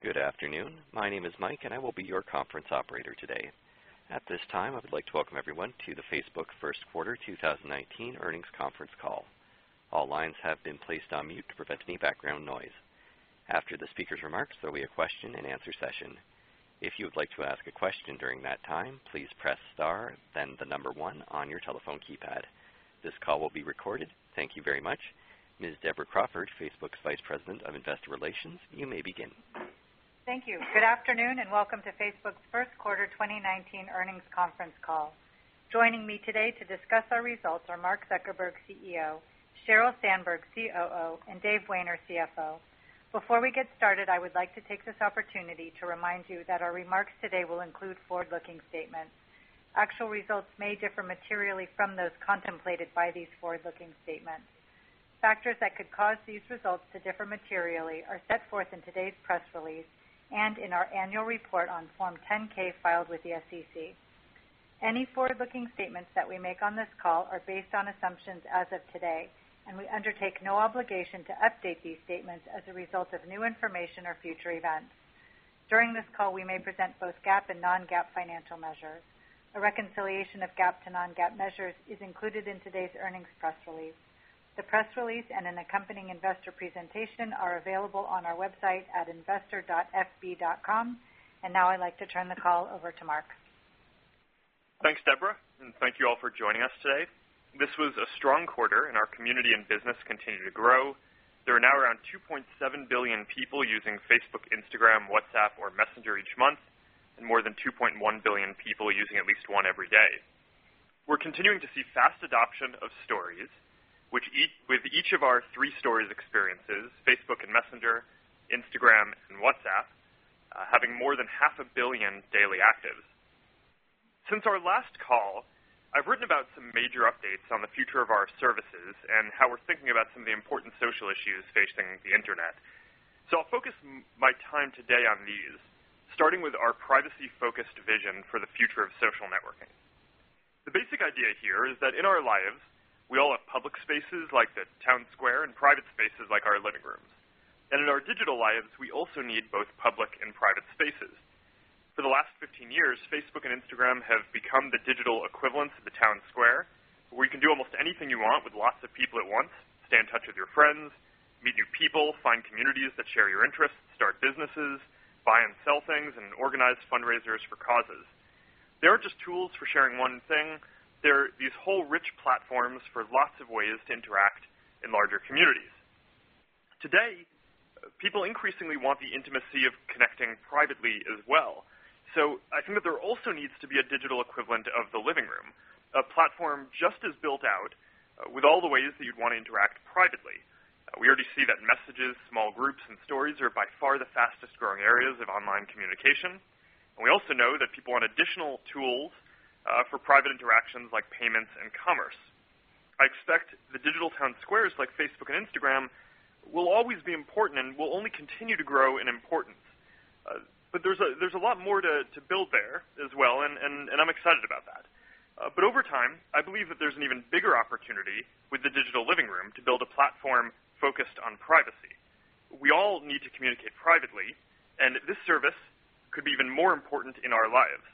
Good afternoon. My name is Mike, and I will be your conference operator today. At this time, I would like to welcome everyone to the Facebook first quarter 2019 earnings conference call. All lines have been placed on mute to prevent any background noise. After the speaker's remarks, there will be a question-and-answer session. If you would like to ask a question during that time, please press star then the number 1 on your telephone keypad. This call will be recorded. Thank you very much. Ms. Deborah Crawford, Facebook's Vice President of Investor Relations, you may begin. Thank you. Good afternoon, welcome to Facebook's first quarter 2019 earnings conference call. Joining me today to discuss our results are Mark Zuckerberg, CEO; Sheryl Sandberg, COO; and Dave Wehner, CFO. Before we get started, I would like to take this opportunity to remind you that our remarks today will include forward-looking statements. Actual results may differ materially from those contemplated by these forward-looking statements. Factors that could cause these results to differ materially are set forth in today's press release and in our annual report on Form 10-K filed with the SEC. Any forward-looking statements that we make on this call are based on assumptions as of today, and we undertake no obligation to update these statements as a result of new information or future events. During this call, we may present both GAAP and non-GAAP financial measures. A reconciliation of GAAP to non-GAAP measures is included in today's earnings press release. The press release and an accompanying investor presentation are available on our website at investor.fb.com. Now I'd like to turn the call over to Mark. Thanks, Deborah, thank you all for joining us today. This was a strong quarter and our community and business continue to grow. There are now around 2.7 billion people using Facebook, Instagram, WhatsApp, or Messenger each month, and more than 2.1 billion people using at least one every day. We're continuing to see fast adoption of Stories, with each of our three Stories experiences, Facebook and Messenger, Instagram, and WhatsApp, having more than half a billion daily actives. Since our last call, I've written about some major updates on the future of our services and how we're thinking about some of the important social issues facing the internet. I'll focus my time today on these, starting with our privacy-focused vision for the future of social networking. The basic idea here is that in our lives, we all have public spaces like the town square and private spaces like our living rooms. In our digital lives, we also need both public and private spaces. For the last 15 years, Facebook and Instagram have become the digital equivalent to the town square, where you can do almost anything you want with lots of people at once, stay in touch with your friends, meet new people, find communities that share your interests, start businesses, buy and sell things, and organize fundraisers for causes. They aren't just tools for sharing one thing. They're these whole rich platforms for lots of ways to interact in larger communities. Today, people increasingly want the intimacy of connecting privately as well. I think that there also needs to be a digital equivalent of the living room, a platform just as built out with all the ways that you'd want to interact privately. We already see that messages, small groups, and Stories are by far the fastest-growing areas of online communication. We also know that people want additional tools for private interactions like payments and commerce. I expect the digital town squares like Facebook and Instagram will always be important and will only continue to grow in importance. There's a lot more to build there as well, and I'm excited about that. Over time, I believe that there's an even bigger opportunity with the digital living room to build a platform focused on privacy. We all need to communicate privately, and this service could be even more important in our lives.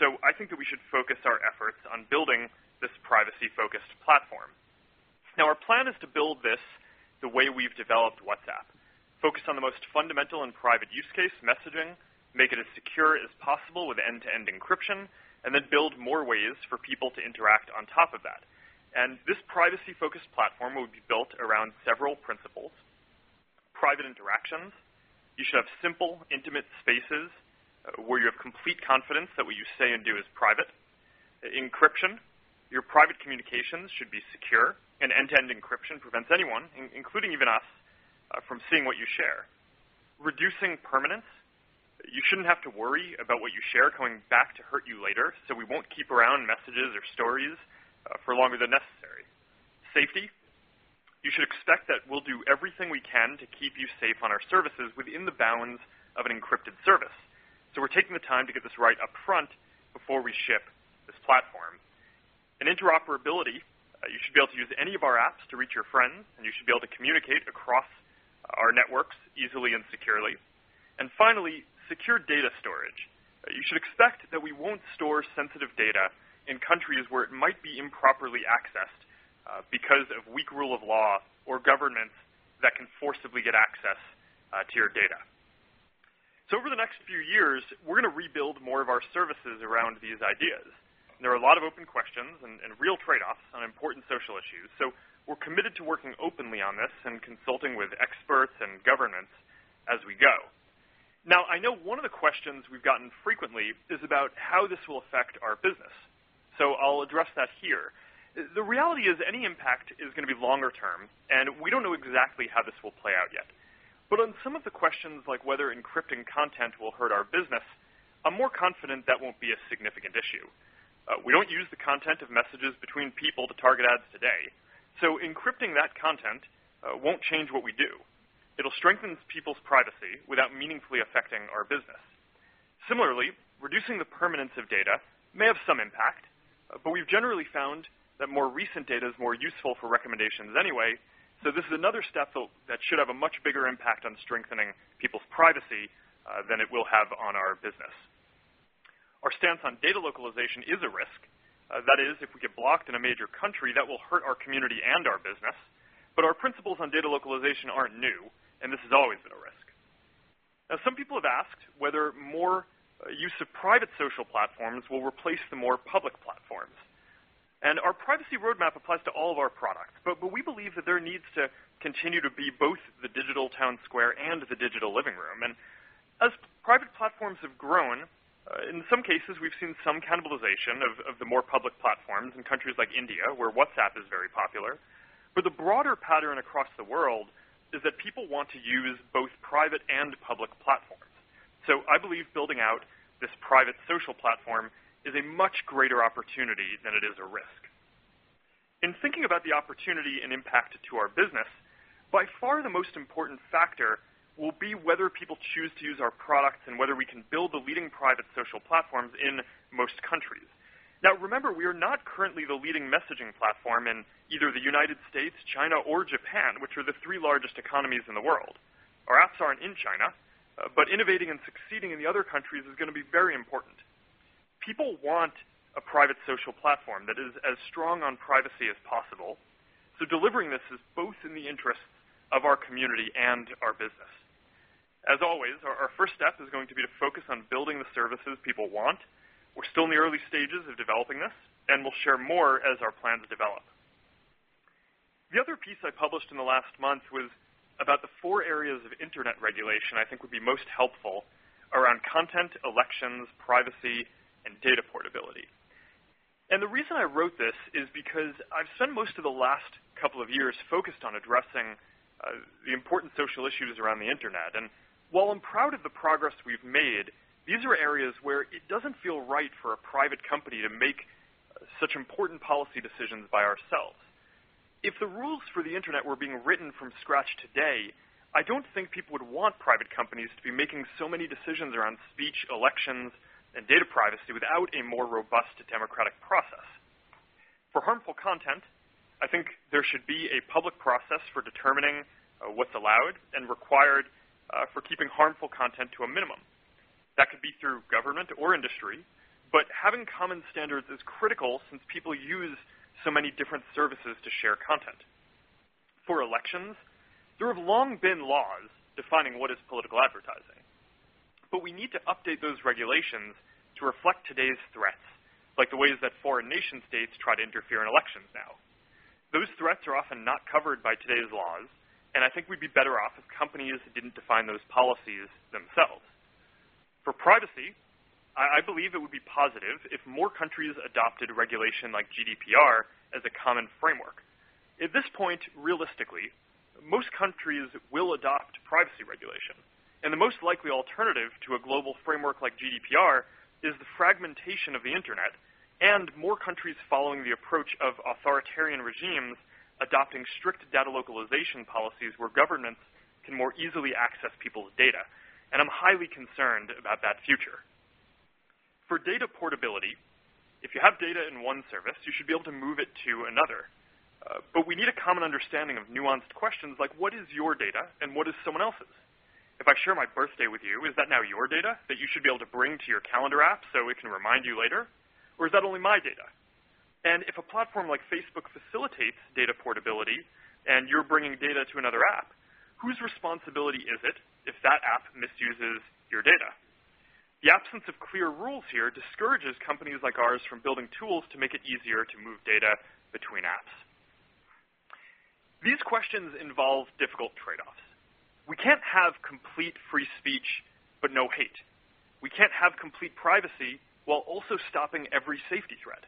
I think that we should focus our efforts on building this privacy-focused platform. Now, our plan is to build this the way we've developed WhatsApp, focused on the most fundamental and private use case, messaging, make it as secure as possible with end-to-end encryption, and then build more ways for people to interact on top of that. This privacy-focused platform would be built around several principles. Private interactions. You should have simple, intimate spaces where you have complete confidence that what you say and do is private. Encryption. Your private communications should be secure, and end-to-end encryption prevents anyone, including even us, from seeing what you share. Reducing permanence. You shouldn't have to worry about what you share coming back to hurt you later, so we won't keep around messages or Stories for longer than necessary. Safety. You should expect that we'll do everything we can to keep you safe on our services within the bounds of an encrypted service, so we're taking the time to get this right up front before we ship this platform. Interoperability, you should be able to use any of our apps to reach your friends, and you should be able to communicate across our networks easily and securely. Finally, secure data storage. You should expect that we won't store sensitive data in countries where it might be improperly accessed because of weak rule of law or governments that can forcibly get access to your data. Over the next few years, we're going to rebuild more of our services around these ideas. There are a lot of open questions and real trade-offs on important social issues. We're committed to working openly on this and consulting with experts and governments as we go. I know one of the questions we've gotten frequently is about how this will affect our business. I'll address that here. The reality is any impact is going to be longer term, and we don't know exactly how this will play out yet. On some of the questions like whether encrypting content will hurt our business, I'm more confident that won't be a significant issue. We don't use the content of messages between people to target ads today, so encrypting that content won't change what we do. It'll strengthen people's privacy without meaningfully affecting our business. Similarly, reducing the permanence of data may have some impact. We've generally found that more recent data is more useful for recommendations anyway, so this is another step that should have a much bigger impact on strengthening people's privacy than it will have on our business. Our stance on data localization is a risk. That is, if we get blocked in a major country, that will hurt our community and our business. Our principles on data localization aren't new, and this has always been a risk. Some people have asked whether more use of private social platforms will replace the more public platforms. Our privacy roadmap applies to all of our products. We believe that there needs to continue to be both the digital town square and the digital living room. As private platforms have grown, in some cases, we've seen some cannibalization of the more public platforms in countries like India, where WhatsApp is very popular. The broader pattern across the world is that people want to use both private and public platforms. I believe building out this private social platform is a much greater opportunity than it is a risk. In thinking about the opportunity and impact to our business, by far, the most important factor will be whether people choose to use our products and whether we can build the leading private social platforms in most countries. Remember, we are not currently the leading messaging platform in either the U.S., China, or Japan, which are the three largest economies in the world. Our apps aren't in China. Innovating and succeeding in the other countries is going to be very important. People want a private social platform that is as strong on privacy as possible. Delivering this is both in the interest of our community and our business. As always, our first step is going to be to focus on building the services people want. We're still in the early stages of developing this. We'll share more as our plans develop. The other piece I published in the last month was about the four areas of internet regulation I think would be most helpful around content, elections, privacy, and data portability. The reason I wrote this is because I've spent most of the last couple of years focused on addressing the important social issues around the internet. While I'm proud of the progress we've made, these are areas where it doesn't feel right for a private company to make such important policy decisions by ourselves. If the rules for the internet were being written from scratch today, I don't think people would want private companies to be making so many decisions around speech, elections, and data privacy without a more robust democratic process. For harmful content, I think there should be a public process for determining what's allowed and required for keeping harmful content to a minimum. That could be through government or industry, but having common standards is critical since people use so many different services to share content. For elections, there have long been laws defining what is political advertising. We need to update those regulations to reflect today's threats, like the ways that foreign nation-states try to interfere in elections now. Those threats are often not covered by today's laws, and I think we'd be better off if companies didn't define those policies themselves. For privacy, I believe it would be positive if more countries adopted regulation like GDPR as a common framework. At this point, realistically, most countries will adopt privacy regulation, and the most likely alternative to a global framework like GDPR is the fragmentation of the internet and more countries following the approach of authoritarian regimes adopting strict data localization policies where governments can more easily access people's data. I'm highly concerned about that future. For data portability, if you have data in one service, you should be able to move it to another. We need a common understanding of nuanced questions like what is your data and what is someone else's? If I share my birthday with you, is that now your data that you should be able to bring to your calendar app so it can remind you later? Or is that only my data? If a platform like Facebook facilitates data portability and you're bringing data to another app, whose responsibility is it if that app misuses your data? The absence of clear rules here discourages companies like ours from building tools to make it easier to move data between apps. These questions involve difficult trade-offs. We can't have complete free speech, but no hate. We can't have complete privacy while also stopping every safety threat.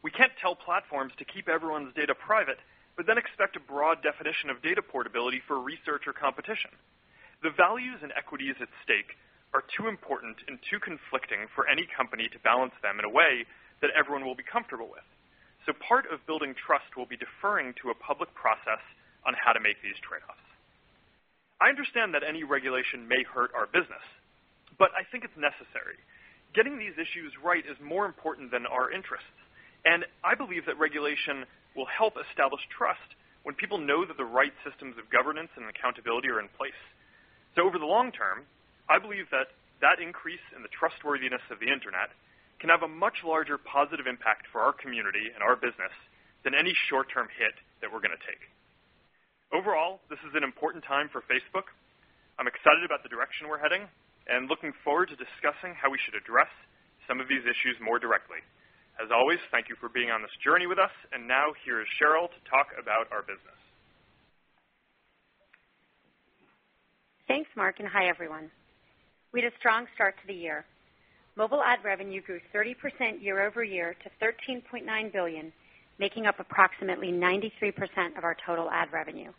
We can't tell platforms to keep everyone's data private, but then expect a broad definition of data portability for research or competition. The values and equities at stake are too important and too conflicting for any company to balance them in a way that everyone will be comfortable with. Part of building trust will be deferring to a public process on how to make these trade-offs. I understand that any regulation may hurt our business, but I think it's necessary. Getting these issues right is more important than our interests, and I believe that regulation will help establish trust when people know that the right systems of governance and accountability are in place. Over the long term, I believe that that increase in the trustworthiness of the internet can have a much larger positive impact for our community and our business than any short-term hit that we're going to take. Overall, this is an important time for Facebook. I'm excited about the direction we're heading and looking forward to discussing how we should address some of these issues more directly. As always, thank you for being on this journey with us, now here is Sheryl to talk about our business. Thanks, Mark. Hi, everyone. We had a strong start to the year. Mobile ad revenue grew 30% year-over-year to $13.9 billion, making up approximately 93% of our total ad revenue.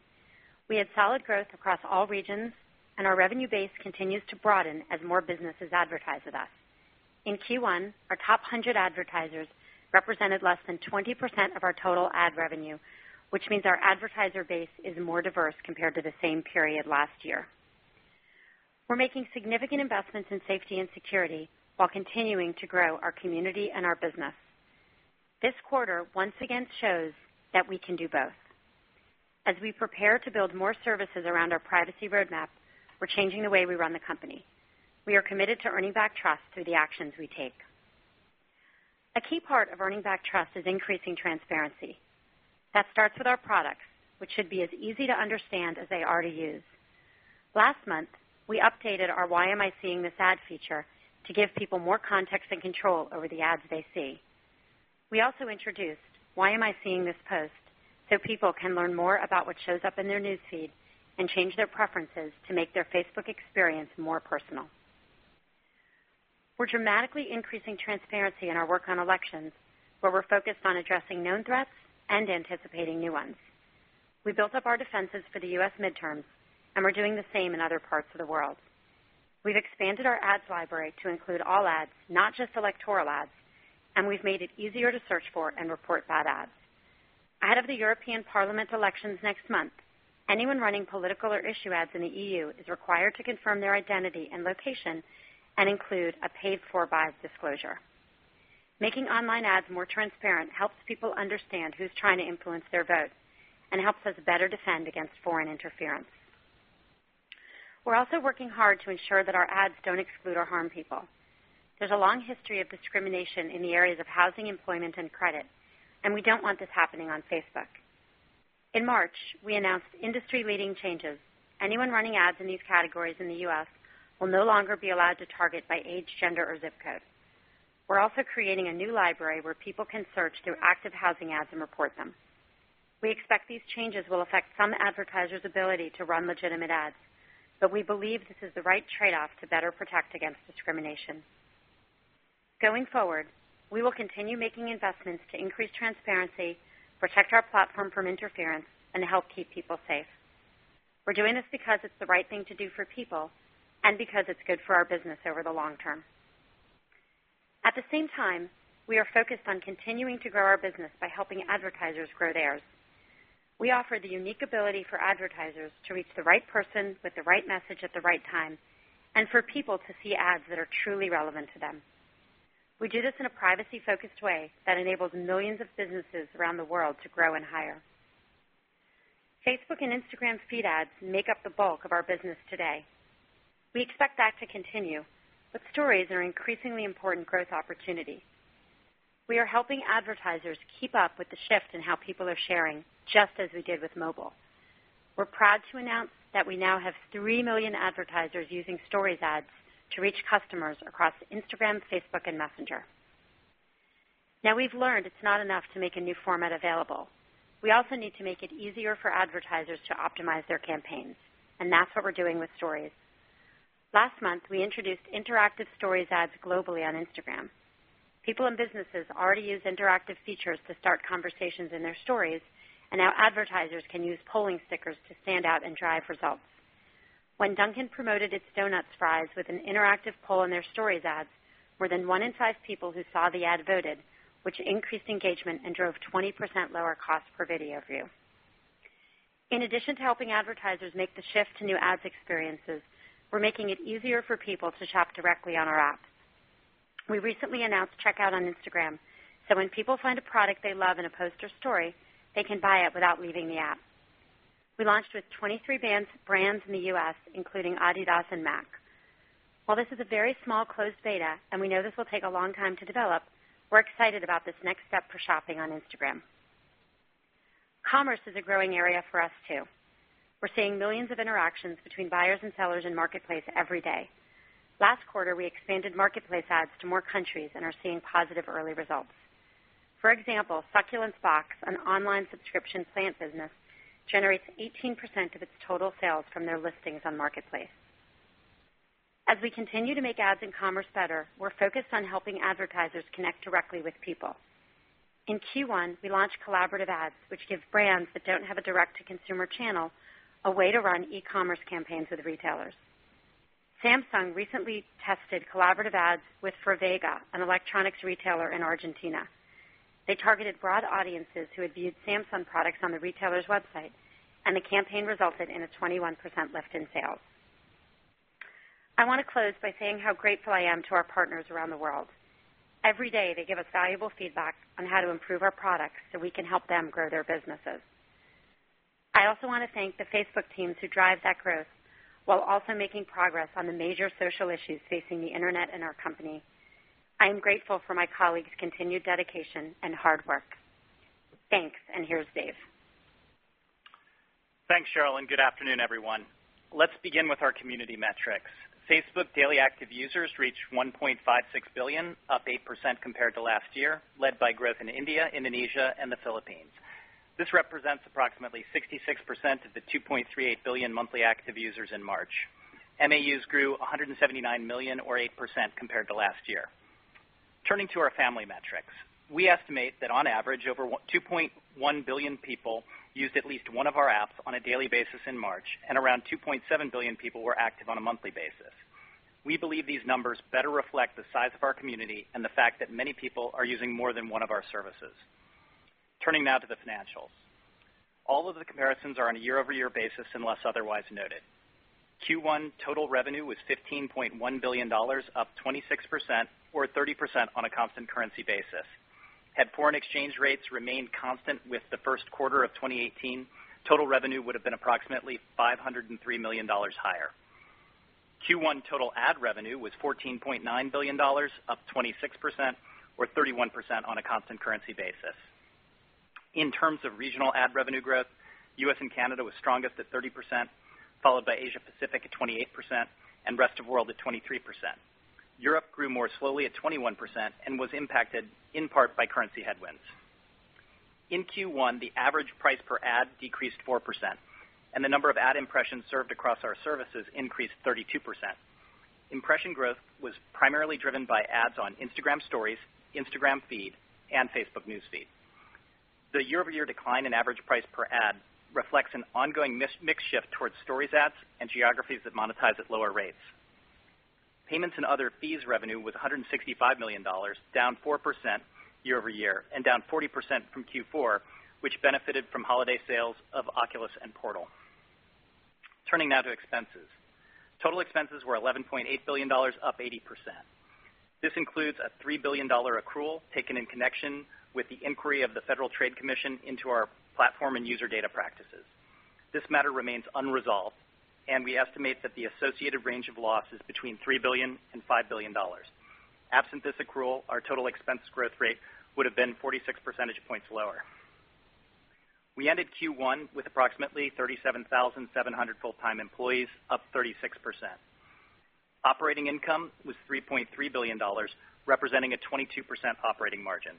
We had solid growth across all regions, and our revenue base continues to broaden as more businesses advertise with us. In Q1, our top 100 advertisers represented less than 20% of our total ad revenue, which means our advertiser base is more diverse compared to the same period last year. We're making significant investments in safety and security while continuing to grow our community and our business. This quarter once again shows that we can do both. As we prepare to build more services around our privacy roadmap, we're changing the way we run the company. We are committed to earning back trust through the actions we take. A key part of earning back trust is increasing transparency. That starts with our products, which should be as easy to understand as they are to use. Last month, we updated our Why Am I Seeing This Ad feature to give people more context and control over the ads they see. We also introduced Why Am I Seeing This Post, so people can learn more about what shows up in their News Feed and change their preferences to make their Facebook experience more personal. We're dramatically increasing transparency in our work on elections, where we're focused on addressing known threats and anticipating new ones. We built up our defenses for the U.S. midterms, and we're doing the same in other parts of the world. We've expanded our ads library to include all ads, not just electoral ads, and we've made it easier to search for and report bad ads. Ahead of the European Parliament elections next month, anyone running political or issue ads in the EU is required to confirm their identity and location and include a paid for by disclosure. Making online ads more transparent helps people understand who's trying to influence their vote and helps us better defend against foreign interference. We're also working hard to ensure that our ads don't exclude or harm people. There's a long history of discrimination in the areas of housing, employment, and credit, and we don't want this happening on Facebook. In March, we announced industry-leading changes. Anyone running ads in these categories in the U.S. will no longer be allowed to target by age, gender, or ZIP code. We're also creating a new library where people can search through active housing ads and report them. We expect these changes will affect some advertisers' ability to run legitimate ads, but we believe this is the right trade-off to better protect against discrimination. Going forward, we will continue making investments to increase transparency, protect our platform from interference, and to help keep people safe. We're doing this because it's the right thing to do for people and because it's good for our business over the long term. At the same time, we are focused on continuing to grow our business by helping advertisers grow theirs. We offer the unique ability for advertisers to reach the right person with the right message at the right time, and for people to see ads that are truly relevant to them. We do this in a privacy-focused way that enables millions of businesses around the world to grow and hire. Facebook and Instagram Feed ads make up the bulk of our business today. We expect that to continue, but Stories are an increasingly important growth opportunity. We are helping advertisers keep up with the shift in how people are sharing, just as we did with mobile. We're proud to announce that we now have 3 million advertisers using Stories ads to reach customers across Instagram, Facebook, and Messenger. Now, we've learned it's not enough to make a new format available. We also need to make it easier for advertisers to optimize their campaigns, and that's what we're doing with Stories. Last month, we introduced interactive Stories ads globally on Instagram. People and businesses already use interactive features to start conversations in their stories, and now advertisers can use polling stickers to stand out and drive results. When Dunkin' promoted its donut fries with an interactive poll in their Stories ads, more than one in five people who saw the ad voted, which increased engagement and drove 20% lower cost per video view. In addition to helping advertisers make the shift to new ads experiences, we're making it easier for people to shop directly on our apps. We recently announced Checkout on Instagram, so when people find a product they love in a post or story, they can buy it without leaving the app. We launched with 23 brands in the U.S., including Adidas and MAC. While this is a very small closed beta, and we know this will take a long time to develop, we're excited about this next step for shopping on Instagram. Commerce is a growing area for us, too. We're seeing millions of interactions between buyers and sellers in Marketplace every day. Last quarter, we expanded Marketplace ads to more countries and are seeing positive early results. For example, Succulents Box, an online subscription plant business, generates 18% of its total sales from their listings on Marketplace. As we continue to make ads and commerce better, we're focused on helping advertisers connect directly with people. In Q1, we launched collaborative ads, which give brands that don't have a direct-to-consumer channel a way to run e-commerce campaigns with retailers. Samsung recently tested collaborative ads with Frávega, an electronics retailer in Argentina. They targeted broad audiences who had viewed Samsung products on the retailer's website, and the campaign resulted in a 21% lift in sales. I want to close by saying how grateful I am to our partners around the world. Every day, they give us valuable feedback on how to improve our products so we can help them grow their businesses. I also want to thank the Facebook teams who drive that growth while also making progress on the major social issues facing the internet and our company. I am grateful for my colleagues' continued dedication and hard work. Thanks, and here's Dave. Thanks, Sheryl, and good afternoon, everyone. Let's begin with our community metrics. Facebook daily active users reached 1.56 billion, up 8% compared to last year, led by growth in India, Indonesia, and the Philippines. This represents approximately 66% of the 2.38 billion monthly active users in March. MAUs grew 179 million or 8% compared to last year. Turning to our family metrics. We estimate that on average, over 2.1 billion people used at least one of our apps on a daily basis in March, and around 2.7 billion people were active on a monthly basis. We believe these numbers better reflect the size of our community and the fact that many people are using more than one of our services. Turning now to the financials. All of the comparisons are on a year-over-year basis unless otherwise noted. Q1 total revenue was $15.1 billion, up 26%, or 30% on a constant currency basis. Had foreign exchange rates remained constant with the first quarter of 2018, total revenue would have been approximately $503 million higher. Q1 total ad revenue was $14.9 billion, up 26%, or 31% on a constant currency basis. In terms of regional ad revenue growth, U.S. and Canada was strongest at 30%, followed by Asia Pacific at 28% and rest of world at 23%. Europe grew more slowly at 21% and was impacted in part by currency headwinds. In Q1, the average price per ad decreased 4% and the number of ad impressions served across our services increased 32%. Impression growth was primarily driven by ads on Instagram Stories, Instagram Feed, and Facebook News Feed. The year-over-year decline in average price per ad reflects an ongoing mix shift towards Stories ads and geographies that monetize at lower rates. Payments and other fees revenue was $165 million, down 4% year-over-year and down 40% from Q4, which benefited from holiday sales of Oculus and Portal. Turning now to expenses. Total expenses were $11.8 billion, up 80%. This includes a $3 billion accrual taken in connection with the inquiry of the Federal Trade Commission into our platform and user data practices. This matter remains unresolved, and we estimate that the associated range of loss is between $3 billion and $5 billion. Absent this accrual, our total expense growth rate would have been 46 percentage points lower. We ended Q1 with approximately 37,700 full-time employees, up 36%. Operating income was $3.3 billion, representing a 22% operating margin.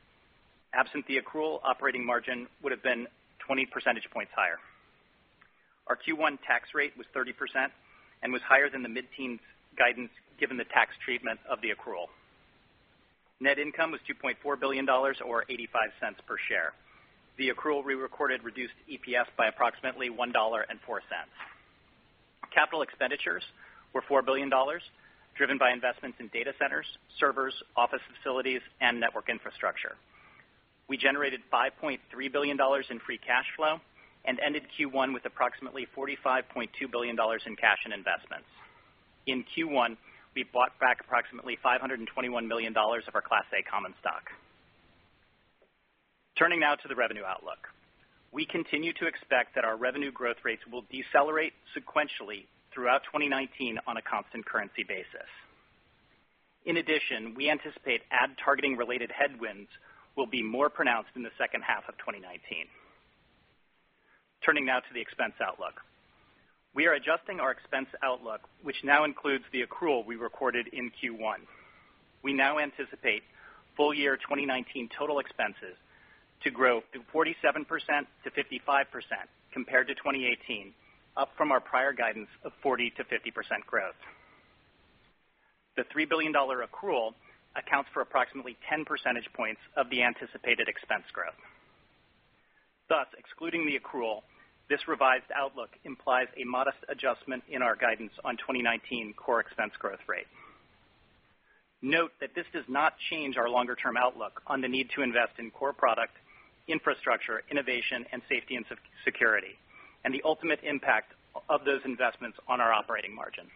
Absent the accrual, operating margin would have been 20 percentage points higher. Our Q1 tax rate was 30% and was higher than the mid-teens guidance given the tax treatment of the accrual. Net income was $2.4 billion or $0.85 per share. The accrual re-recorded reduced EPS by approximately $1.04. Capital expenditures were $4 billion, driven by investments in data centers, servers, office facilities, and network infrastructure. We generated $5.3 billion in free cash flow and ended Q1 with approximately $45.2 billion in cash and investments. In Q1, we bought back approximately $521 million of our Class A common stock. Turning now to the revenue outlook. We continue to expect that our revenue growth rates will decelerate sequentially throughout 2019 on a constant currency basis. In addition, we anticipate ad targeting related headwinds will be more pronounced in the second half of 2019. Turning now to the expense outlook. We are adjusting our expense outlook, which now includes the accrual we recorded in Q1. We now anticipate full year 2019 total expenses to grow 47%-55% compared to 2018, up from our prior guidance of 40%-50% growth. The $3 billion accrual accounts for approximately 10 percentage points of the anticipated expense growth. Thus, excluding the accrual, this revised outlook implies a modest adjustment in our guidance on 2019 core expense growth rate. Note that this does not change our longer-term outlook on the need to invest in core product infrastructure, innovation, and safety and security, and the ultimate impact of those investments on our operating margin.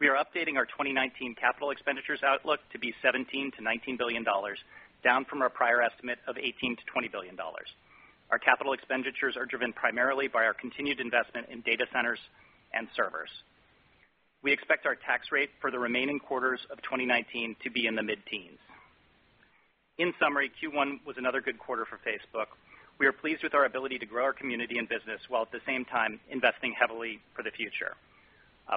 We are updating our 2019 capital expenditures outlook to be $17 billion-$19 billion, down from our prior estimate of $18 billion-$20 billion. Our capital expenditures are driven primarily by our continued investment in data centers and servers. We expect our tax rate for the remaining quarters of 2019 to be in the mid-teens. In summary, Q1 was another good quarter for Facebook. We are pleased with our ability to grow our community and business while at the same time investing heavily for the future.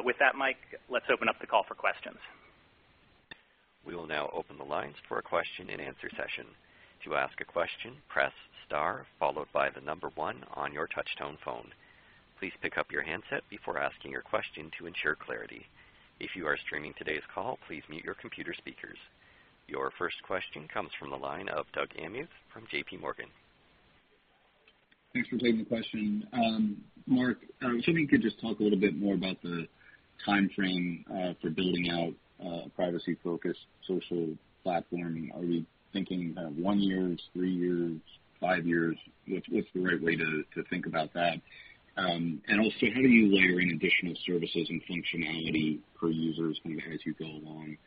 With that, Mike, let's open up the call for questions. We will now open the lines for a question and answer session. To ask a question, press star followed by the number 1 on your touch-tone phone. Please pick up your handset before asking your question to ensure clarity. If you are streaming today's call, please mute your computer speakers. Your first question comes from the line of Doug Anmuth from JP Morgan. Thanks for taking the question. Mark, I was wondering if you could just talk a little bit more about the timeframe for building out a privacy-focused social platform. Are we thinking kind of one year, three years, five years? What's the right way to think about that? And also, how do you layer in additional services and functionality per users kind of as you go along?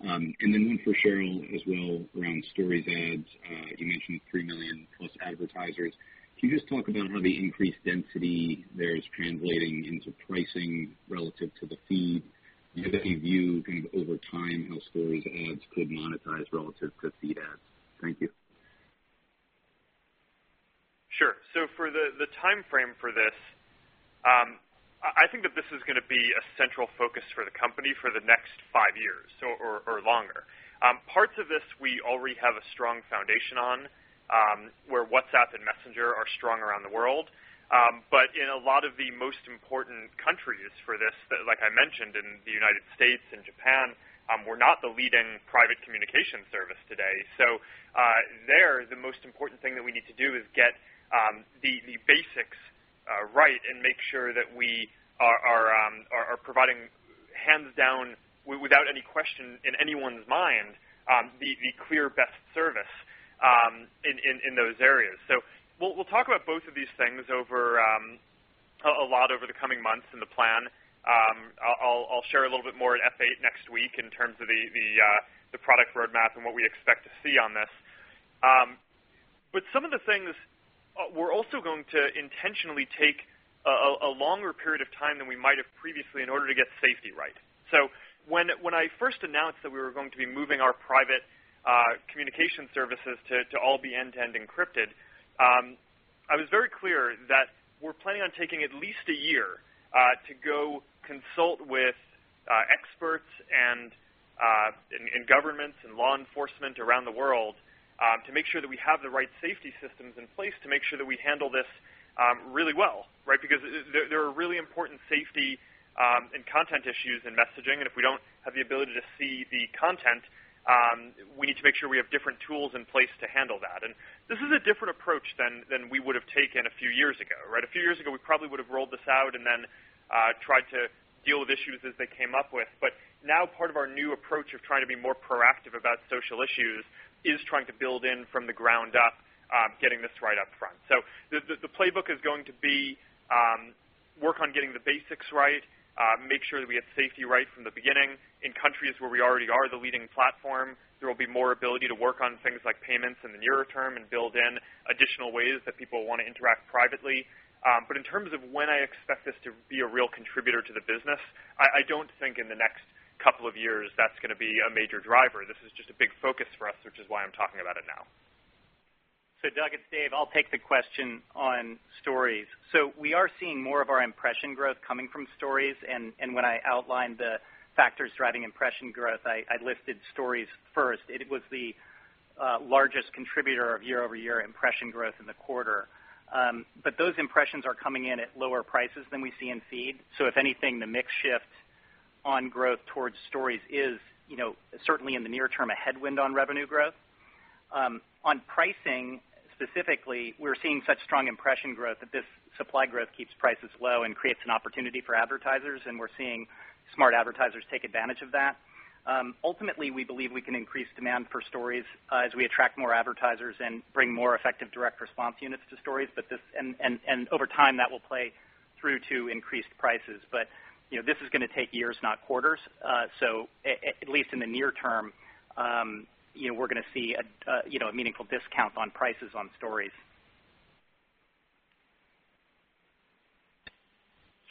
And then one for Sheryl as well around Stories ads. You mentioned 3 million plus advertisers. Can you just talk about how the increased density there is translating into pricing relative to the feed? And how do you view kind of over time how Stories ads could monetize relative to feed ads? Thank you. Sure. For the timeframe for this I think that this is going to be a central focus for the company for the next five years or longer. Parts of this, we already have a strong foundation on, where WhatsApp and Messenger are strong around the world. In a lot of the most important countries for this, like I mentioned, in the U.S. and Japan, we're not the leading private communication service today. There, the most important thing that we need to do is get the basics right and make sure that we are providing hands down, without any question in anyone's mind, the clear best service in those areas. We'll talk about both of these things a lot over the coming months in the plan. I'll share a little bit more at F8 next week in terms of the product roadmap and what we expect to see on this. Some of the things we're also going to intentionally take a longer period of time than we might have previously in order to get safety right. When I first announced that we were going to be moving our private communication services to all be end-to-end encrypted, I was very clear that we're planning on taking at least a year to go consult with experts and governments and law enforcement around the world to make sure that we have the right safety systems in place to make sure that we handle this really well. Right? Because there are really important safety and content issues in messaging, and if we don't have the ability to see the content, we need to make sure we have different tools in place to handle that. This is a different approach than we would've taken a few years ago, right? A few years ago, we probably would've rolled this out and then tried to deal with issues as they came up with. Now part of our new approach of trying to be more proactive about social issues is trying to build in from the ground up, getting this right up front. The playbook is going to be work on getting the basics right. Make sure that we have safety right from the beginning. In countries where we already are the leading platform, there will be more ability to work on things like payments in the nearer term and build in additional ways that people want to interact privately. In terms of when I expect this to be a real contributor to the business, I don't think in the next couple of years that's going to be a major driver. This is just a big focus for us, which is why I'm talking about it now. Doug, it's Dave. I'll take the question on Stories. We are seeing more of our impression growth coming from Stories. When I outlined the factors driving impression growth, I listed Stories first. It was the largest contributor of year-over-year impression growth in the quarter. Those impressions are coming in at lower prices than we see in Feed. If anything, the mix shift on growth towards Stories is certainly in the near term, a headwind on revenue growth. On pricing specifically, we're seeing such strong impression growth that this supply growth keeps prices low and creates an opportunity for advertisers, and we're seeing smart advertisers take advantage of that. Ultimately, we believe we can increase demand for Stories as we attract more advertisers and bring more effective direct response units to Stories. Over time, that will play through to increased prices. This is going to take years, not quarters. At least in the near term we're going to see a meaningful discount on prices on Stories.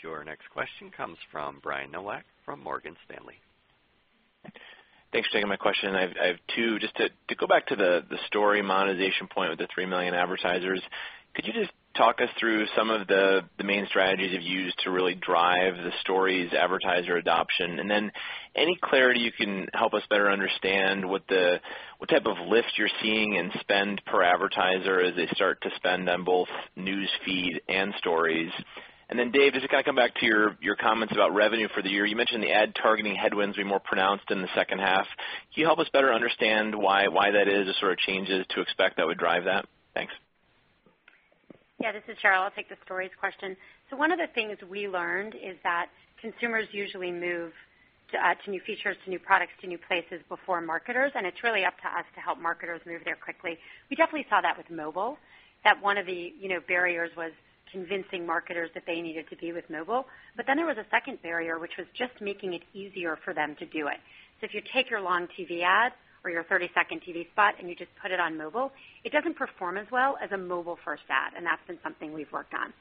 Your next question comes from Brian Nowak from Morgan Stanley. Thanks for taking my question. I have two. Just to go back to the Story monetization point with the 3 million advertisers, could you just talk us through some of the main strategies you've used to really drive the Stories advertiser adoption? Any clarity you can help us better understand what type of lift you're seeing in spend per advertiser as they start to spend on both News Feed and Stories. Dave, just going to come back to your comments about revenue for the year. You mentioned the ad targeting headwinds will be more pronounced in the second half. Can you help us better understand why that is? The sort of changes to expect that would drive that? Thanks. Yeah, this is Sheryl. I'll take the Stories question. One of the things we learned is that consumers usually move to new features, to new products, to new places before marketers, and it's really up to us to help marketers move there quickly. We definitely saw that with mobile, that one of the barriers was convincing marketers that they needed to be with mobile. There was a second barrier, which was just making it easier for them to do it. If you take your long TV ad or your 30-second TV spot and you just put it on mobile, it doesn't perform as well as a mobile-first ad, and that's been something we've worked on.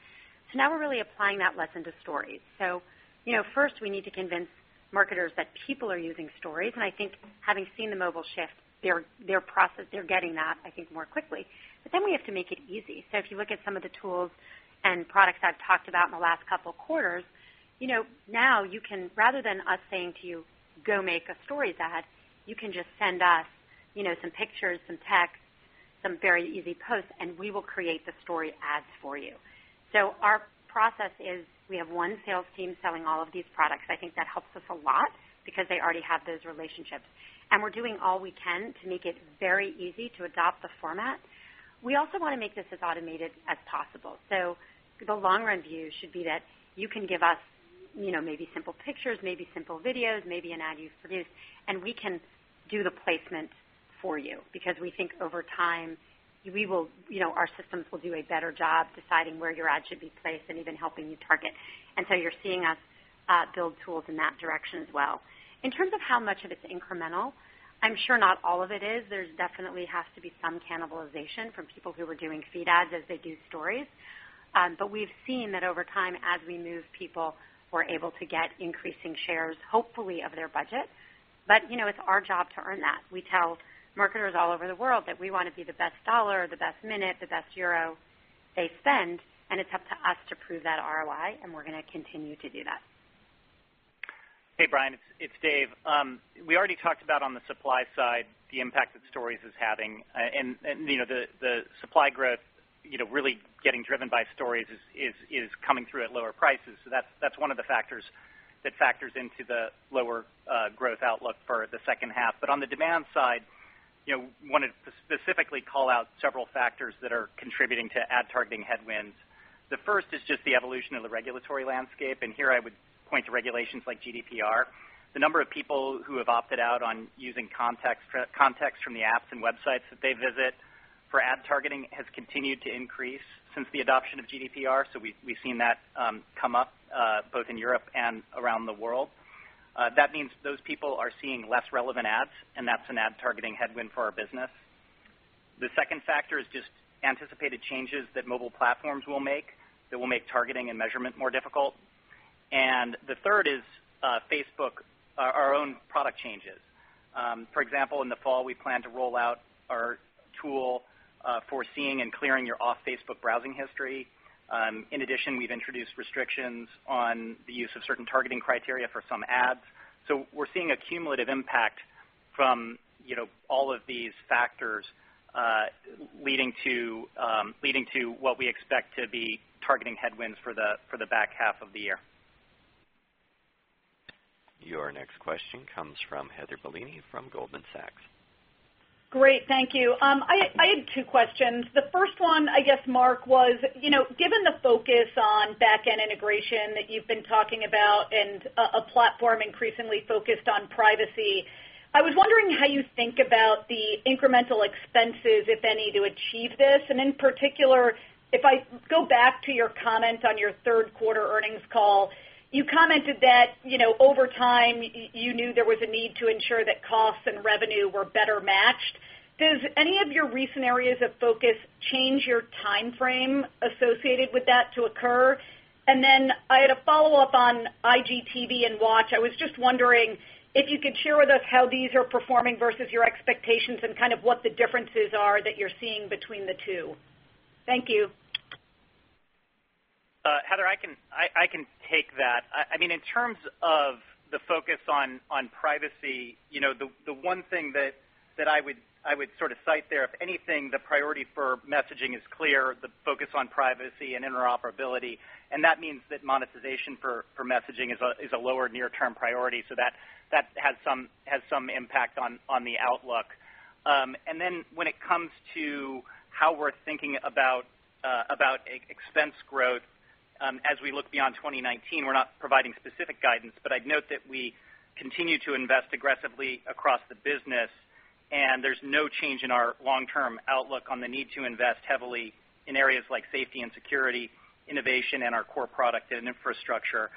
Now we're really applying that lesson to Stories. First we need to convince marketers that people are using Stories, and I think having seen the mobile shift, they're getting that, I think, more quickly. We have to make it easy. If you look at some of the tools and products I've talked about in the last couple of quarters, now rather than us saying to you, "Go make a Stories ad," you can just send us some pictures, some text, some very easy posts, and we will create the Story ads for you. Our process is we have one sales team selling all of these products. I think that helps us a lot because they already have those relationships. We're doing all we can to make it very easy to adopt the format. We also want to make this as automated as possible. The long-run view should be that you can give us maybe simple pictures, maybe simple videos, maybe an ad you've produced, and we can do the placement for you because we think over time our systems will do a better job deciding where your ad should be placed and even helping you target. You're seeing us build tools in that direction as well. In terms of how much of it's incremental, I'm sure not all of it is. There's definitely has to be some cannibalization from people who were doing feed ads as they do Stories. We've seen that over time as we move people, we're able to get increasing shares, hopefully, of their budget. It's our job to earn that. We tell marketers all over the world that we want to be the best dollar, the best minute, the best euro they spend. It's up to us to prove that ROI. We're going to continue to do that. Hey, Brian. It's Dave. We already talked about on the supply side, the impact that Stories is having. The supply growth really getting driven by Stories is coming through at lower prices. That's one of the factors that factors into the lower growth outlook for the second half. On the demand side, wanted to specifically call out several factors that are contributing to ad targeting headwinds. The first is just the evolution of the regulatory landscape, and here I would point to regulations like GDPR. The number of people who have opted out on using context from the apps and websites that they visit for ad targeting has continued to increase since the adoption of GDPR. We've seen that come up, both in Europe and around the world. That means those people are seeing less relevant ads. That's an ad targeting headwind for our business. The second factor is just anticipated changes that mobile platforms will make that will make targeting and measurement more difficult. The third is Facebook, our own product changes. For example, in the fall, we plan to roll out our tool for seeing and clearing your off-Facebook browsing history. In addition, we've introduced restrictions on the use of certain targeting criteria for some ads. We're seeing a cumulative impact from all of these factors leading to what we expect to be targeting headwinds for the back half of the year. Your next question comes from Heather Bellini from Goldman Sachs. Great. Thank you. I had two questions. The first one, I guess, Mark, was, given the focus on back-end integration that you've been talking about and a platform increasingly focused on privacy, I was wondering how you think about the incremental expenses, if any, to achieve this. In particular, if I go back to your comment on your third-quarter earnings call, you commented that over time, you knew there was a need to ensure that costs and revenue were better matched. Does any of your recent areas of focus change your timeframe associated with that to occur? Then I had a follow-up on IGTV and Watch. I was just wondering if you could share with us how these are performing versus your expectations and kind of what the differences are that you're seeing between the two. Thank you. Heather, I can take that. In terms of the focus on privacy, the one thing that I would sort of cite there, if anything, the priority for messaging is clear, the focus on privacy and interoperability, and that means that monetization for messaging is a lower near-term priority. That has some impact on the outlook. When it comes to how we're thinking about expense growth as we look beyond 2019, we're not providing specific guidance, but I'd note that we continue to invest aggressively across the business, and there's no change in our long-term outlook on the need to invest heavily in areas like safety and security, innovation in our core product and infrastructure,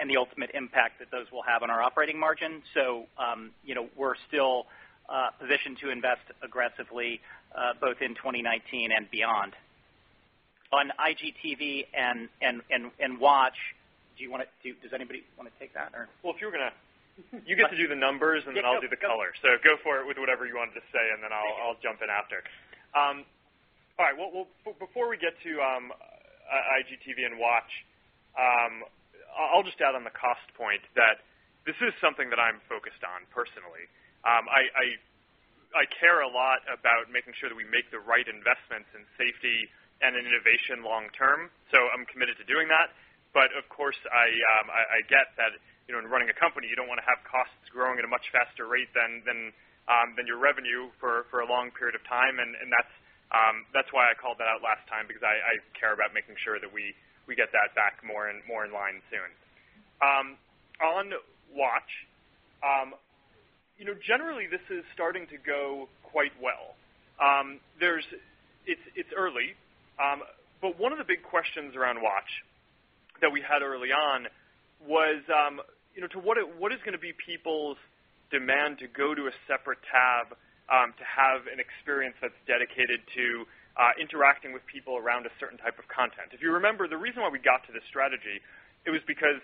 and the ultimate impact that those will have on our operating margin. We're still positioned to invest aggressively both in 2019 and beyond. On IGTV and Watch, does anybody want to take that or? Well, if you're going to. You get to do the numbers, then I'll do the color. Go for it with whatever you wanted to say, then I'll jump in after. All right. Well, before we get to IGTV and Watch, I'll just add on the cost point that this is something that I'm focused on personally. I care a lot about making sure that we make the right investments in safety and in innovation long term, so I'm committed to doing that. Of course, I get that in running a company, you don't want to have costs growing at a much faster rate than your revenue for a long period of time, that's why I called that out last time because I care about making sure that we get that back more in line soon. On Watch, generally, this is starting to go quite well. It's early, one of the big questions around Watch that we had early on was: to what is going to be people's demand to go to a separate tab to have an experience that's dedicated to interacting with people around a certain type of content? If you remember, the reason why we got to this strategy, it was because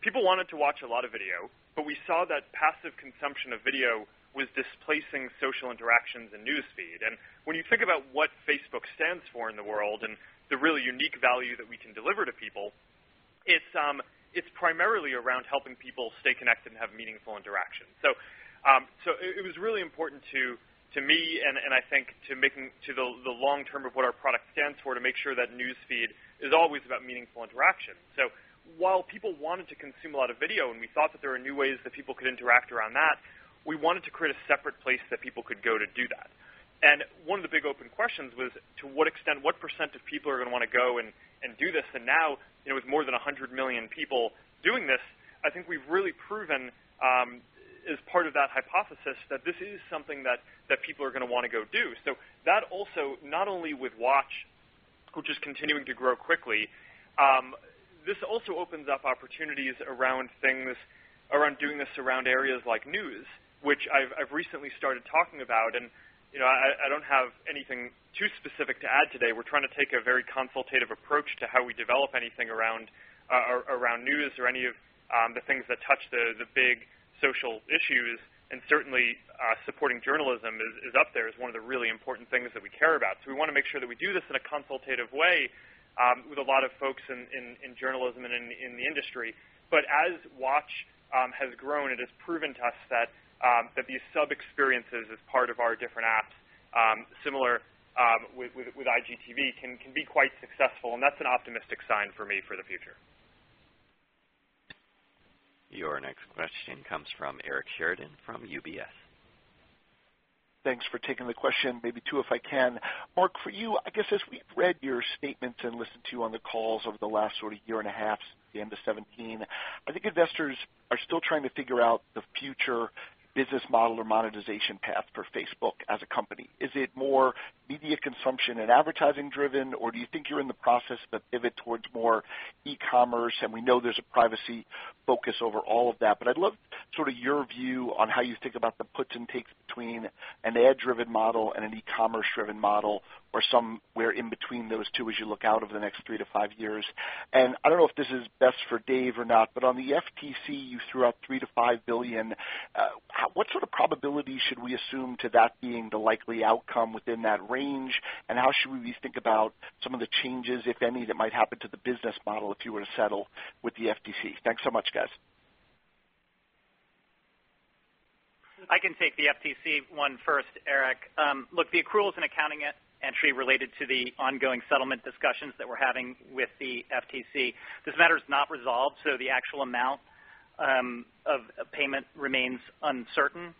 people wanted to watch a lot of video, we saw that passive consumption of video was displacing social interactions in News Feed. When you think about what Facebook stands for in the world and the really unique value that we can deliver to people, it's primarily around helping people stay connected and have meaningful interactions. It was really important to me and I think to the long-term of what our product stands for, to make sure that News Feed is always about meaningful interaction. While people wanted to consume a lot of video and we thought that there were new ways that people could interact around that, we wanted to create a separate place that people could go to do that. One of the big open questions was to what extent, what percent of people are going to want to go and do this? Now, with more than 100 million people doing this, I think we've really proven as part of that hypothesis that this is something that people are going to want to go do. That also, not only with Watch, which is continuing to grow quickly, this also opens up opportunities around doing this around areas like News, I don't have anything too specific to add today. We're trying to take a very consultative approach to how we develop anything around News or any of the things that touch the big social issues. Certainly, supporting journalism is up there as one of the really important things that we care about. We want to make sure that we do this in a consultative way with a lot of folks in journalism and in the industry. As Watch has grown, it has proven to us that these sub-experiences as part of our different apps, similar with IGTV can be quite successful, that's an optimistic sign for me for the future. Your next question comes from Eric Sheridan from UBS. Thanks for taking the question. Maybe two, if I can. Mark, for you, I guess as we've read your statements and listened to you on the calls over the last sort of year and a half since the end of 2017, I think investors are still trying to figure out the future business model or monetization path for Facebook as a company. Is it more media consumption and advertising driven, or do you think you're in the process of a pivot towards more e-commerce? We know there's a privacy focus over all of that. I'd love sort of your view on how you think about the puts and takes between an ad-driven model and an e-commerce-driven model, or somewhere in between those two as you look out over the next 3 to 5 years. I don't know if this is best for Dave or not, but on the FTC, you threw out $3 billion-$5 billion. What sort of probability should we assume to that being the likely outcome within that range? How should we think about some of the changes, if any, that might happen to the business model if you were to settle with the FTC? Thanks so much, guys. I can take the FTC one first, Eric. Look, the accruals and accounting entry related to the ongoing settlement discussions that we're having with the FTC. This matter is not resolved, so the actual amount of payment remains uncertain.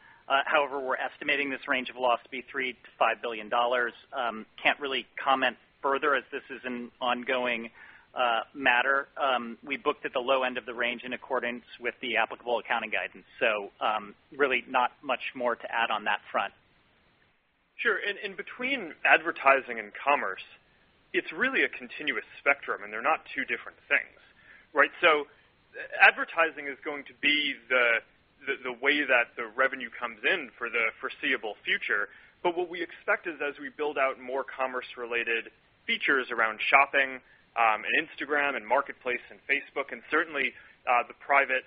However, we're estimating this range of loss to be $3 billion-$5 billion. Can't really comment further, as this is an ongoing matter. We booked at the low end of the range in accordance with the applicable accounting guidance. Really not much more to add on that front. Sure. In between advertising and commerce, it's really a continuous spectrum, and they're not two different things, right? Advertising is going to be the way that the revenue comes in for the foreseeable future. What we expect is as we build out more commerce-related features around shopping and Instagram and Marketplace and Facebook, and certainly the private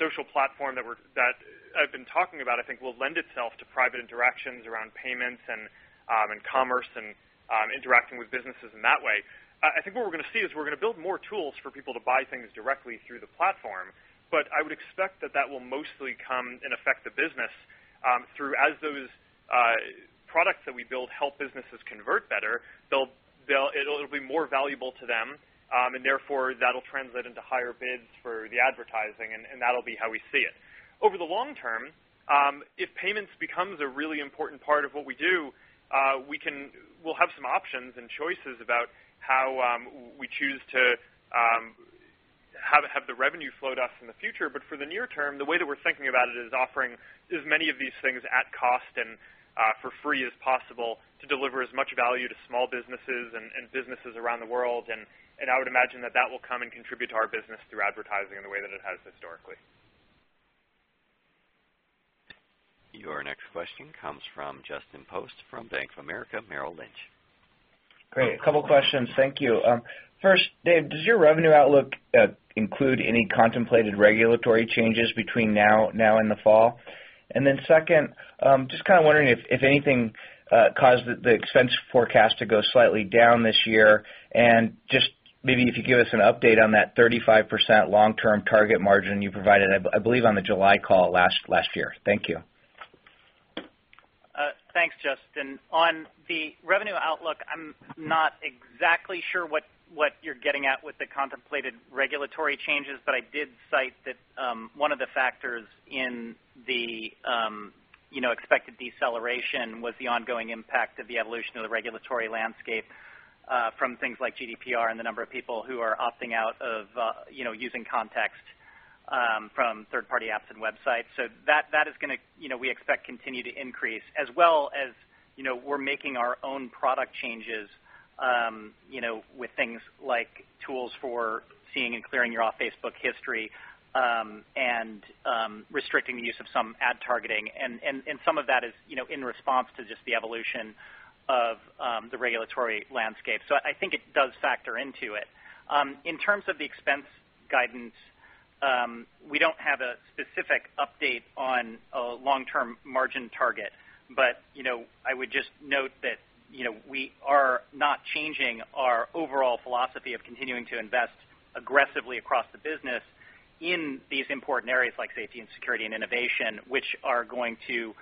social platform that I've been talking about, I think will lend itself to private interactions around payments and commerce and interacting with businesses in that way. I think what we're going to see is we're going to build more tools for people to buy things directly through the platform. I would expect that that will mostly come and affect the business through as those products that we build help businesses convert better, it'll be more valuable to them, therefore that'll translate into higher bids for the advertising, and that'll be how we see it. Over the long term, if payments becomes a really important part of what we do, we'll have some options and choices about how we choose to have the revenue flow to us in the future. For the near term, the way that we're thinking about it is offering as many of these things at cost and for free as possible to deliver as much value to small businesses and businesses around the world. I would imagine that that will come and contribute to our business through advertising in the way that it has historically. Your next question comes from Justin Post from Bank of America Merrill Lynch. Great. Couple questions. Thank you. First, Dave, does your revenue outlook include any contemplated regulatory changes between now and the fall? Second, just kind of wondering if anything caused the expense forecast to go slightly down this year, and just maybe if you could give us an update on that 35% long-term target margin you provided, I believe, on the July call last year. Thank you. Thanks, Justin. On the revenue outlook, I'm not exactly sure what you're getting at with the contemplated regulatory changes, I did cite that one of the factors in the expected deceleration was the ongoing impact of the evolution of the regulatory landscape from things like GDPR and the number of people who are opting out of using context from third-party apps and websites. That is going to, we expect, continue to increase as well as we're making our own product changes with things like tools for seeing and clearing your off-Facebook history and restricting the use of some ad targeting. Some of that is in response to just the evolution of the regulatory landscape. I think it does factor into it. In terms of the expense guidance, we don't have a specific update on a long-term margin target. I would just note that we are not changing our overall philosophy of continuing to invest aggressively across the business in these important areas like safety and security and innovation, which are going to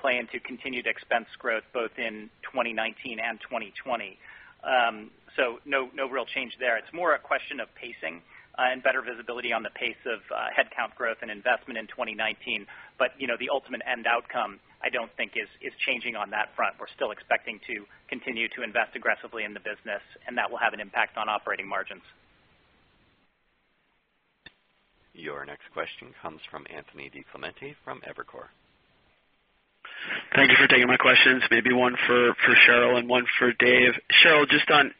play into continued expense growth both in 2019 and 2020. No real change there. It's more a question of pacing and better visibility on the pace of headcount growth and investment in 2019. The ultimate end outcome I don't think is changing on that front. We're still expecting to continue to invest aggressively in the business, and that will have an impact on operating margins. Your next question comes from Anthony DiClemente from Evercore. Thank you for taking my questions, maybe one for Sheryl and one for Dave. Sheryl, just on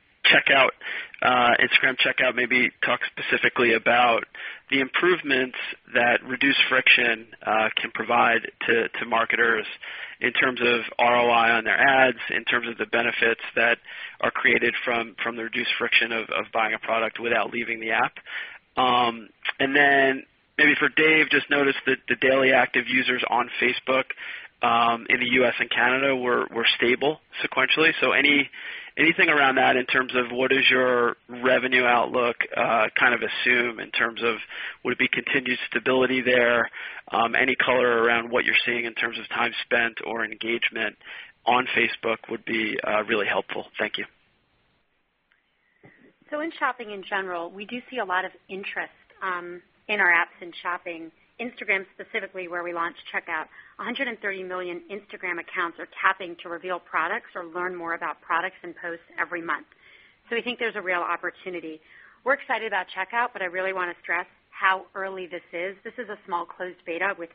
Instagram Checkout, maybe talk specifically about the improvements that reduced friction can provide to marketers in terms of ROI on their ads, in terms of the benefits that are created from the reduced friction of buying a product without leaving the app. Maybe for Dave, just noticed that the daily active users on Facebook in the U.S. and Canada were stable sequentially. Anything around that in terms of what does your revenue outlook kind of assume in terms of would it be continued stability there? Any color around what you're seeing in terms of time spent or engagement on Facebook would be really helpful. Thank you. In shopping in general, we do see a lot of interest in our apps in shopping. Instagram specifically, where we launched Checkout, 130 million Instagram accounts are tapping to reveal products or learn more about products and posts every month. We think there's a real opportunity. We're excited about Checkout, I really want to stress how early this is. This is a small closed beta with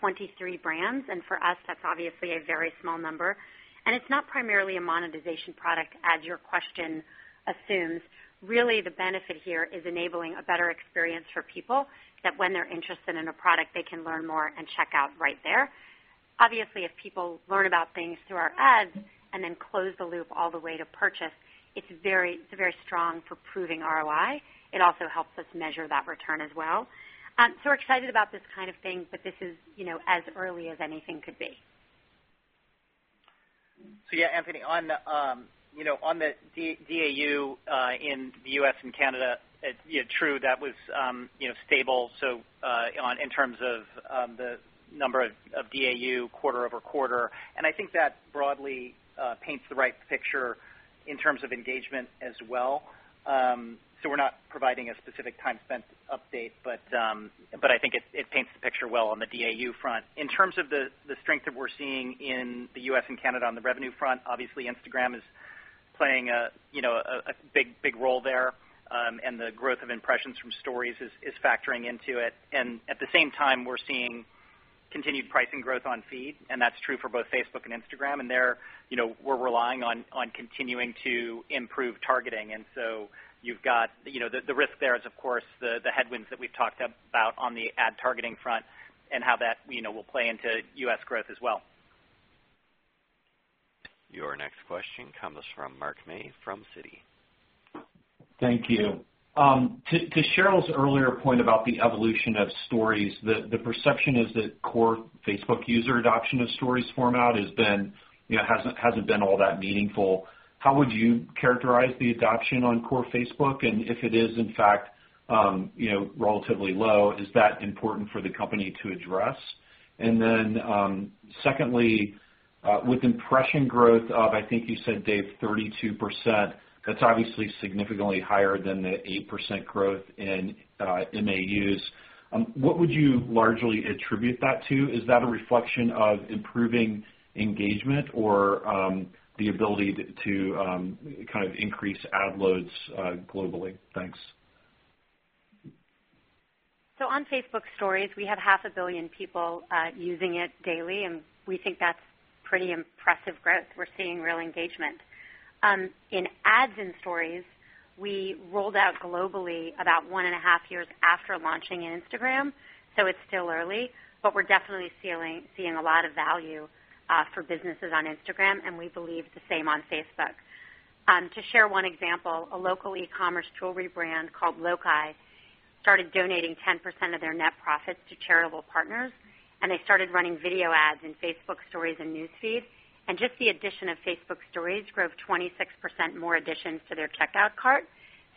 23 brands. For us that's obviously a very small number. It's not primarily a monetization product as your question assumes. Really, the benefit here is enabling a better experience for people, that when they're interested in a product, they can learn more and check out right there. Obviously, if people learn about things through our ads and then close the loop all the way to purchase, it's very strong for proving ROI. It also helps us measure that return as well. We are excited about this kind of thing, but this is as early as anything could be. Yeah, Anthony, on the DAU in the U.S. and Canada, true, that was stable in terms of the number of DAU quarter-over-quarter. I think that broadly paints the right picture in terms of engagement as well. We are not providing a specific time spent update, but I think it paints the picture well on the DAU front. In terms of the strength that we are seeing in the U.S. and Canada on the revenue front, obviously Instagram is playing a big role there. The growth of impressions from Stories is factoring into it. At the same time, we are seeing continued pricing growth on feed, and that is true for both Facebook and Instagram. There, we are relying on continuing to improve targeting. The risk there is, of course, the headwinds that we have talked about on the ad targeting front and how that will play into U.S. growth as well. Your next question comes from Mark May from Citi. Thank you. To Sheryl's earlier point about the evolution of Stories, the perception is that core Facebook user adoption of Stories format hasn't been all that meaningful. How would you characterize the adoption on core Facebook? If it is in fact relatively low, is that important for the company to address? Secondly, with impression growth of, I think you said, Dave, 32%, that's obviously significantly higher than the 8% growth in MAUs. What would you largely attribute that to? Is that a reflection of improving engagement or the ability to increase ad loads globally? Thanks. On Facebook Stories, we have half a billion people using it daily, and we think that's pretty impressive growth. We're seeing real engagement. In ads in Stories, we rolled out globally about one and a half years after launching in Instagram, so it's still early, but we're definitely seeing a lot of value for businesses on Instagram, and we believe the same on Facebook. To share one example, a local e-commerce jewelry brand called Lokai started donating 10% of their net profits to charitable partners, and they started running video ads in Facebook Stories and News Feed. Just the addition of Facebook Stories drove 26% more additions to their checkout cart.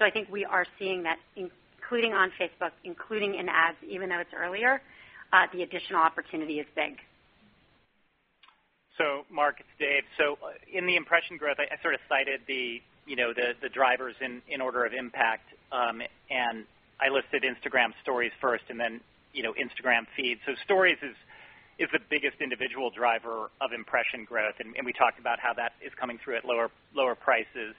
I think we are seeing that including on Facebook, including in ads, even though it's earlier, the additional opportunity is big. Mark, it's Dave. In the impression growth, I sort of cited the drivers in order of impact. I listed Instagram Stories first and then Instagram Feed. Stories is the biggest individual driver of impression growth, and we talked about how that is coming through at lower prices.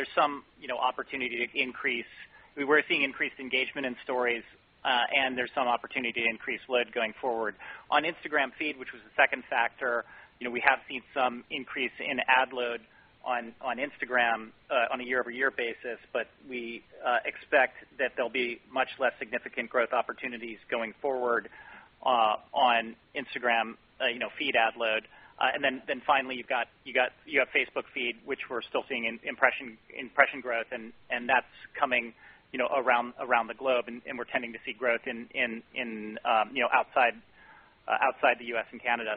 There's some opportunity to increase. We were seeing increased engagement in Stories, and there's some opportunity to increase load going forward. On Instagram Feed, which was the second factor, we have seen some increase in ad load on Instagram on a year-over-year basis, but we expect that there'll be much less significant growth opportunities going forward on Instagram Feed ad load. Finally, you have Facebook Feed, which we're still seeing impression growth, and that's coming around the globe and we're tending to see growth outside the U.S. and Canada.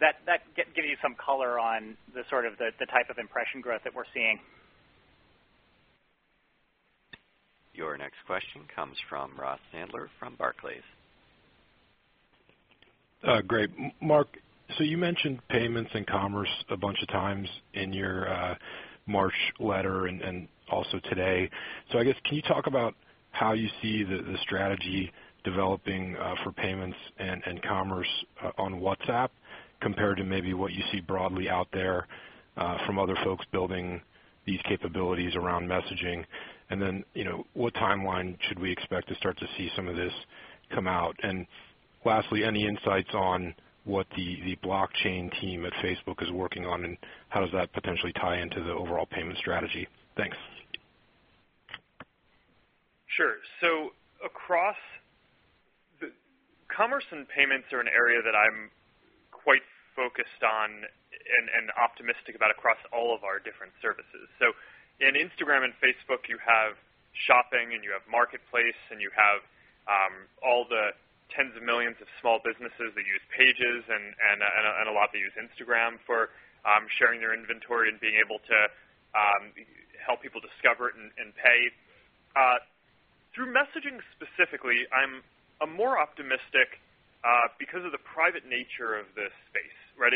That gives you some color on the type of impression growth that we're seeing. Your next question comes from Ross Sandler from Barclays. Great. Mark, you mentioned payments and commerce a bunch of times in your March letter and also today. I guess, can you talk about how you see the strategy developing for payments and commerce on WhatsApp compared to maybe what you see broadly out there from other folks building these capabilities around messaging? What timeline should we expect to start to see some of this come out? Lastly, any insights on what the blockchain team at Facebook is working on, and how does that potentially tie into the overall payment strategy? Thanks. Sure. Commerce and payments are an area that I'm quite focused on and optimistic about across all of our different services. In Instagram and Facebook, you have shopping and you have Marketplace, and you have all the tens of millions of small businesses that use Pages and a lot that use Instagram for sharing their inventory and being able to help people discover it and pay. Through messaging specifically, I'm more optimistic because of the private nature of this space, right?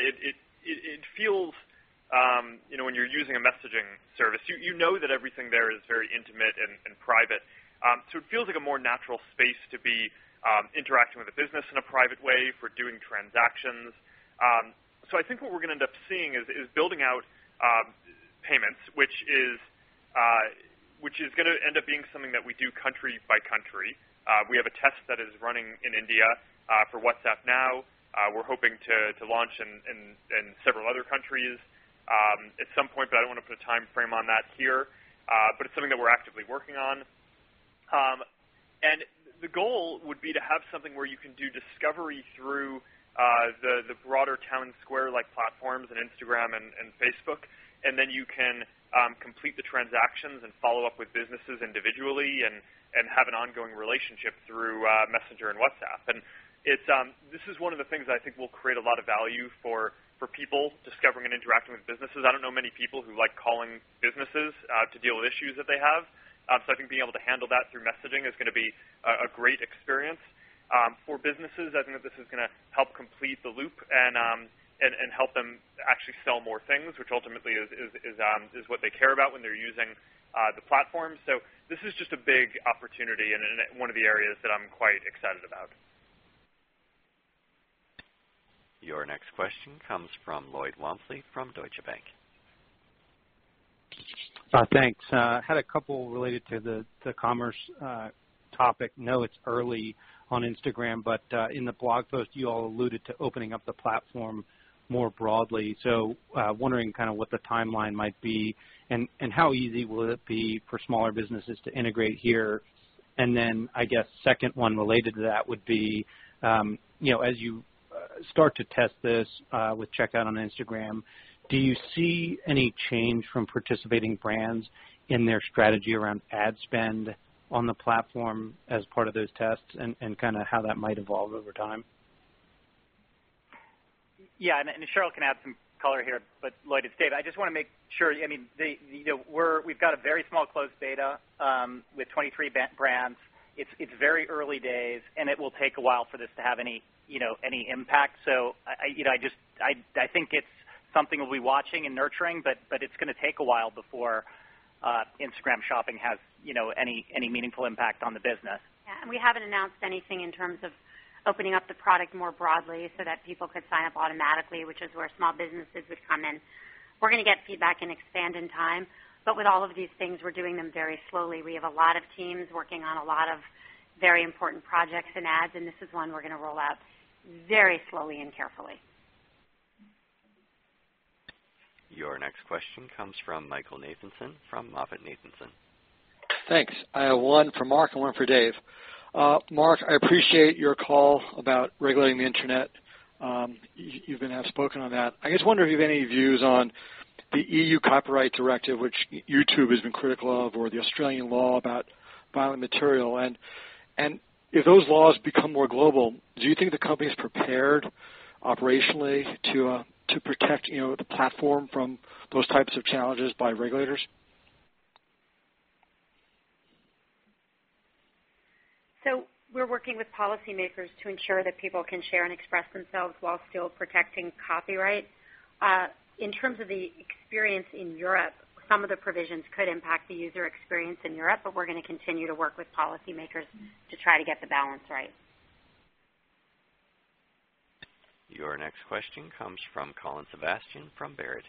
When you're using a messaging service, you know that everything there is very intimate and private. It feels like a more natural space to be interacting with a business in a private way for doing transactions. I think what we're going to end up seeing is building out payments, which is going to end up being something that we do country by country. We have a test that is running in India for WhatsApp now. We're hoping to launch in several other countries at some point, I don't want to put a timeframe on that here. It's something that we're actively working on. The goal would be to have something where you can do discovery through the broader town square-like platforms in Instagram and Facebook, then you can complete the transactions and follow up with businesses individually and have an ongoing relationship through Messenger and WhatsApp. This is one of the things I think will create a lot of value for people discovering and interacting with businesses. I don't know many people who like calling businesses to deal with issues that they have. I think being able to handle that through messaging is going to be a great experience. For businesses, I think that this is going to help complete the loop and help them actually sell more things, which ultimately is what they care about when they're using the platform. This is just a big opportunity and one of the areas that I'm quite excited about. Your next question comes from Lloyd Walmsley from Deutsche Bank. Thanks. I had a couple related to the commerce topic. I know it's early on Instagram, but in the blog post, you all alluded to opening up the platform more broadly. Wondering kind of what the timeline might be and how easy will it be for smaller businesses to integrate here. I guess second one related to that would be as you start to test this with Checkout on Instagram, do you see any change from participating brands in their strategy around ad spend on the platform as part of those tests and kind of how that might evolve over time? Sheryl can add some color here. Lloyd, it's Dave. I just want to make sure. We've got a very small closed beta with 23 brands. It's very early days, and it will take a while for this to have any impact. I think it's something we'll be watching and nurturing, but it's going to take a while before Instagram shopping has any meaningful impact on the business. Yeah. We haven't announced anything in terms of opening up the product more broadly so that people could sign up automatically, which is where small businesses would come in. We're going to get feedback and expand in time. With all of these things, we're doing them very slowly. We have a lot of teams working on a lot of very important projects in ads, this is one we're going to roll out very slowly and carefully. Your next question comes from Michael Nathanson from MoffettNathanson. Thanks. I have one for Mark and one for Dave. Mark, I appreciate your call about regulating the internet. You've been outspoken on that. I just wonder if you have any views on the EU Copyright Directive, which YouTube has been critical of, or the Australian law about violent material. If those laws become more global, do you think the company's prepared operationally to protect the platform from those types of challenges by regulators? We're working with policymakers to ensure that people can share and express themselves while still protecting copyright. In terms of the experience in Europe, some of the provisions could impact the user experience in Europe, we're going to continue to work with policymakers to try to get the balance right. Your next question comes from Colin Sebastian from Baird.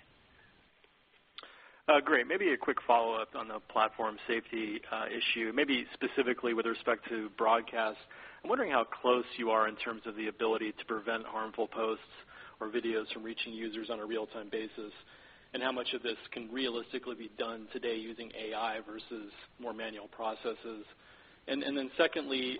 Great. Maybe a quick follow-up on the platform safety issue, maybe specifically with respect to broadcast. I'm wondering how close you are in terms of the ability to prevent harmful posts or videos from reaching users on a real-time basis, and how much of this can realistically be done today using AI versus more manual processes. Secondly,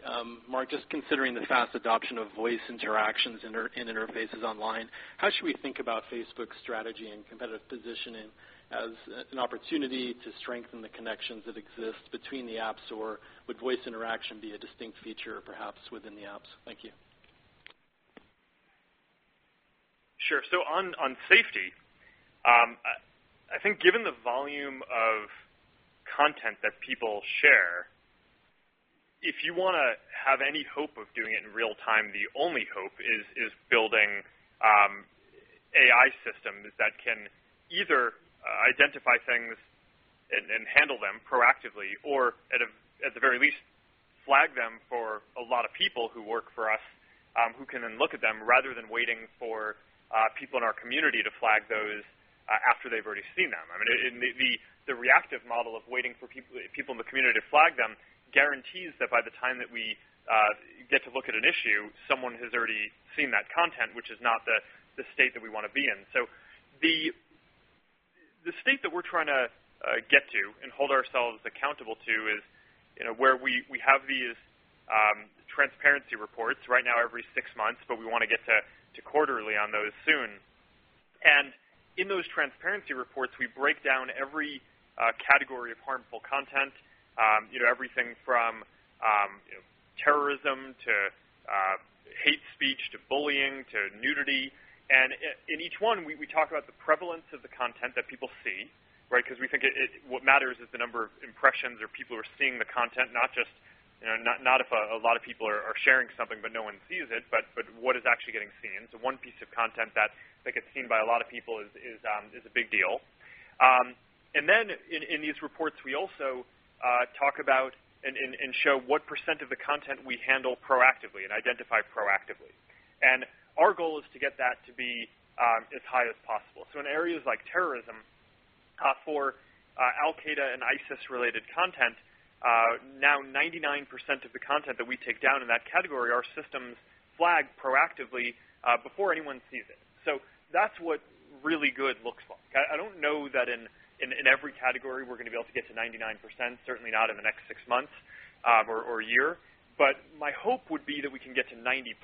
Mark, just considering the fast adoption of voice interactions in interfaces online, how should we think about Facebook's strategy and competitive positioning as an opportunity to strengthen the connections that exist between the apps? Or would voice interaction be a distinct feature perhaps within the apps? Thank you. Sure. On safety, I think given the volume of content that people share, if you want to have any hope of doing it in real time, the only hope is building AI systems that can either identify things and handle them proactively or at the very least flag them for a lot of people who work for us who can then look at them rather than waiting for people in our community to flag those after they've already seen them. The reactive model of waiting for people in the community to flag them guarantees that by the time that we get to look at an issue, someone has already seen that content, which is not the state that we want to be in. The state that we're trying to get to and hold ourselves accountable to is where we have these transparency reports right now every six months, but we want to get to quarterly on those soon. In those transparency reports, we break down every category of harmful content. Everything from terrorism to hate speech to bullying to nudity. In each one, we talk about the prevalence of the content that people see. We think what matters is the number of impressions or people who are seeing the content, not if a lot of people are sharing something, but no one sees it, but what is actually getting seen. One piece of content that gets seen by a lot of people is a big deal. In these reports, we also talk about and show what % of the content we handle proactively and identify proactively. Our goal is to get that to be as high as possible. In areas like terrorism, for Al-Qaeda and ISIS-related content, now 99% of the content that we take down in that category, our systems flag proactively before anyone sees it. That's what really good looks like. I don't know that in every category, we're going to be able to get to 99%, certainly not in the next six months or year. My hope would be that we can get to 90+%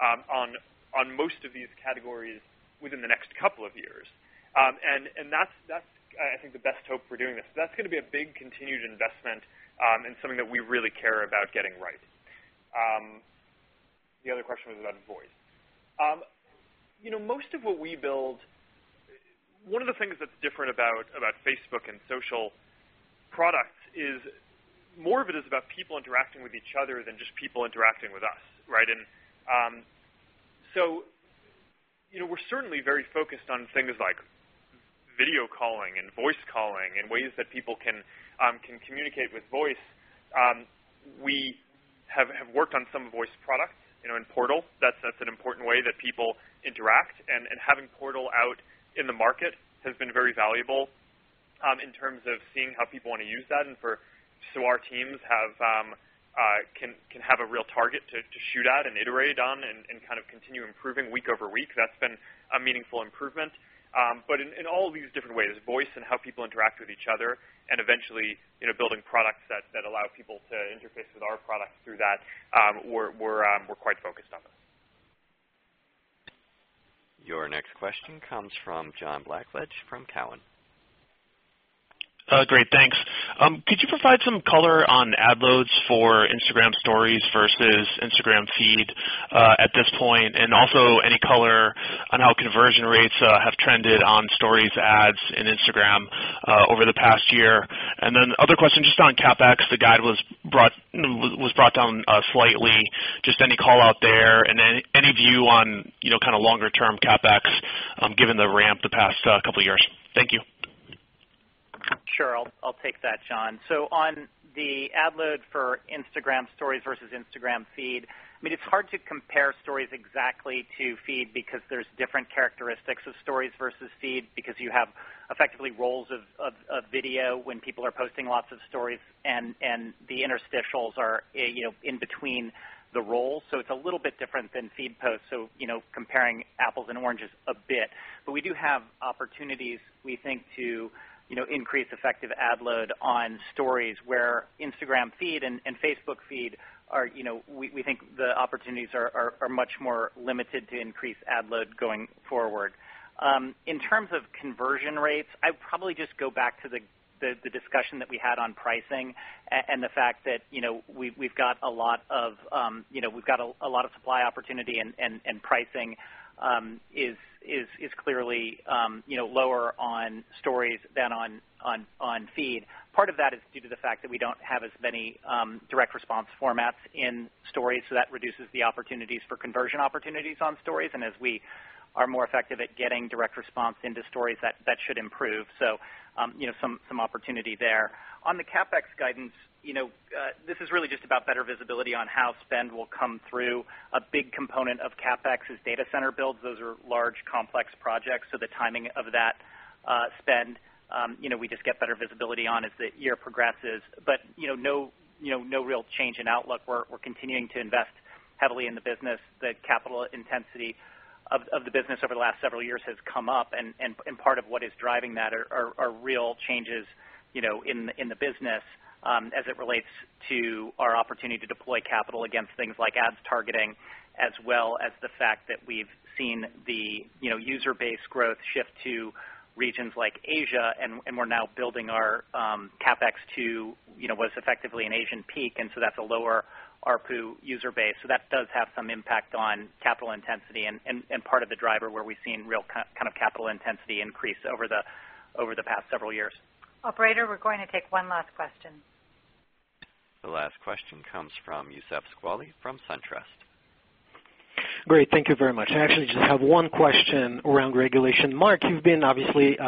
on most of these categories within the next couple of years. That's I think the best hope for doing this. That's going to be a big continued investment, and something that we really care about getting right. The other question was about voice. One of the things that's different about Facebook and social products is more of it is about people interacting with each other than just people interacting with us, right? We're certainly very focused on things like video calling and voice calling and ways that people can communicate with voice. We have worked on some voice products. In Portal, that's an important way that people interact, and having Portal out in the market has been very valuable in terms of seeing how people want to use that. Our teams can have a real target to shoot at and iterate on and kind of continue improving week over week. That's been a meaningful improvement. In all of these different ways, voice and how people interact with each other and eventually building products that allow people to interface with our products through that, we're quite focused on it. Your next question comes from John Blackledge from Cowen. Great, thanks. Could you provide some color on ad loads for Instagram Stories versus Instagram Feed, at this point? Also any color on how conversion rates have trended on Stories ads in Instagram over the past year. Other question just on CapEx, the guide was brought down slightly. Just any call-out there and any view on kind of longer-term CapEx, given the ramp the past couple of years. Thank you. Sure. I'll take that, John. On the ad load for Instagram Stories versus Instagram Feed, it's hard to compare Stories exactly to Feed because there's different characteristics of Stories versus Feed because you have effectively rolls of video when people are posting lots of stories and the interstitials are in between the rolls. Comparing apples and oranges a bit. We do have opportunities, we think, to increase effective ad load on Stories where Instagram Feed and Facebook Feed, we think the opportunities are much more limited to increase ad load going forward. In terms of conversion rates, I'd probably just go back to the discussion that we had on pricing and the fact that we've got a lot of supply opportunity and pricing is clearly lower on Stories than on Feed. Part of that is due to the fact that we don't have as many direct response formats in Stories, that reduces the opportunities for conversion opportunities on Stories. As we are more effective at getting direct response into Stories, that should improve. Some opportunity there. On the CapEx guidance, this is really just about better visibility on how spend will come through. A big component of CapEx is data center builds. Those are large, complex projects, the timing of that spend, we just get better visibility on as the year progresses. No real change in outlook. We're continuing to invest heavily in the business. The capital intensity of the business over the last several years has come up, part of what is driving that are real changes in the business as it relates to our opportunity to deploy capital against things like ads targeting, as well as the fact that we've seen the user base growth shift to regions like Asia, we're now building our CapEx to what is effectively an Asian peak, that's a lower ARPU user base. That does have some impact on capital intensity and part of the driver where we've seen real kind of capital intensity increase over the past several years. Operator, we're going to take one last question. The last question comes from Youssef Squali from SunTrust. Great. Thank you very much. I actually just have one question around regulation. Mark, you've been obviously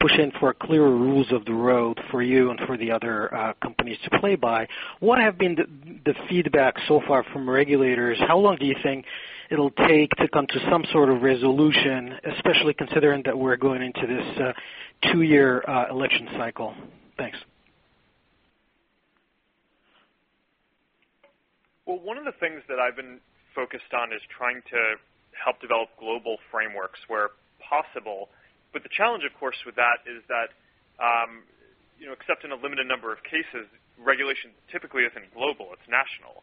pushing for clearer rules of the road for you and for the other companies to play by. What have been the feedback so far from regulators? How long do you think it'll take to come to some sort of resolution, especially considering that we're going into this two-year election cycle? Thanks. Well, one of the things that I've been focused on is trying to help develop global frameworks where possible. The challenge, of course, with that is that except in a limited number of cases, regulation typically isn't global, it's national.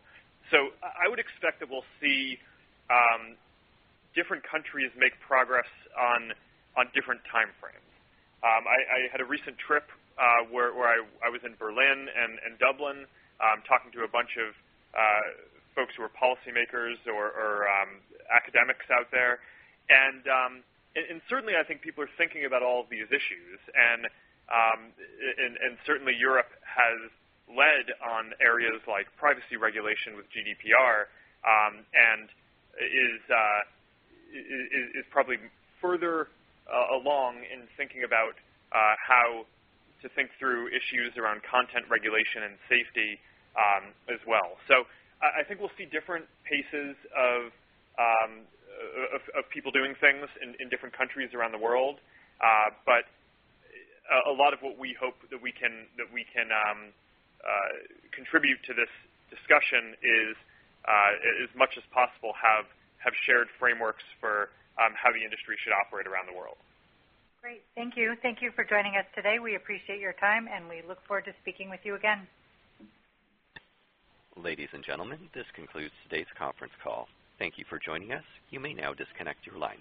I would expect that we'll see different countries make progress on different time frames. I had a recent trip where I was in Berlin and Dublin, talking to a bunch of folks who are policymakers or academics out there. Certainly, I think people are thinking about all of these issues. Certainly Europe has led on areas like privacy regulation with GDPR, and is probably further along in thinking about how to think through issues around content regulation and safety as well. I think we'll see different paces of people doing things in different countries around the world. A lot of what we hope that we can contribute to this discussion is as much as possible have shared frameworks for how the industry should operate around the world. Great. Thank you. Thank you for joining us today. We appreciate your time, and we look forward to speaking with you again. Ladies and gentlemen, this concludes today's conference call. Thank you for joining us. You may now disconnect your lines.